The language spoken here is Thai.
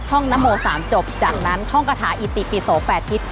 ห้องนโม๓จบจากนั้นท่องกระถาอิติปิโส๘ทิศ